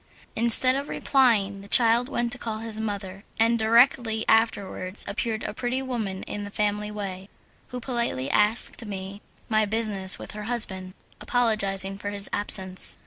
Instead of replying, the child went to call his mother, and directly afterwards appeared a pretty woman in the family way, who politely asked me my business with her husband, apologizing for his absence.